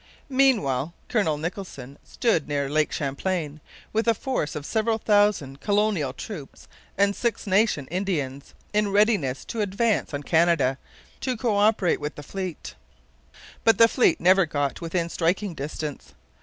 Meanwhile Colonel Nicholson stood near Lake Champlain, with a force of several thousand colonial troops and Six Nation Indians, in readiness to advance on Canada to co operate with the fleet. But the fleet never got within striking distance.